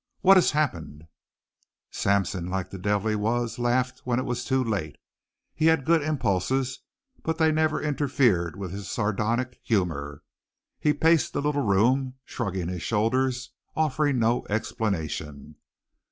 "What has happened?" Sampson, like the devil he was, laughed when it was too late. He had good impulses, but they never interfered with his sardonic humor. He paced the little room, shrugging his shoulders, offering no explanation.